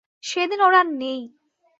সেদিন ওর আর নেই।